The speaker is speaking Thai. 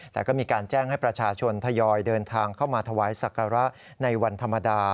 แต่ก็มีการแจ้งให้ประชาชนทยอยเดินทางเข้ามาถวายศักระในวันธรรมดา